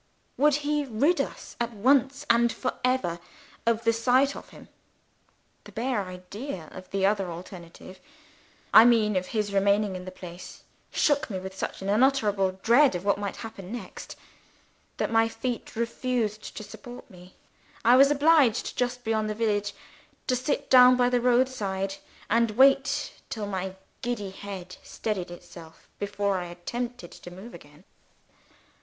would he rid us, at once and for ever, of the sight of him? The bare idea of the other alternative I mean, of his remaining in the place shook me with such an unutterable dread of what might happen next, that my feet refused to support me. I was obliged, just beyond the village, to sit down by the road side, and wait till my giddy head steadied itself before I attempted to move again.